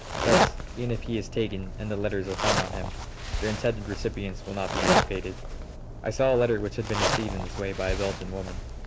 Thus, even if he is taken and the letters are found on him, their intended recipients will not be implicated. I saw a letter which had been received in this way by a Belgian woman.